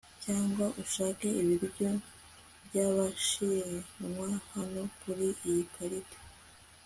cyangwa ushake ibiryo by'abashinwa; hano kuri iyi karita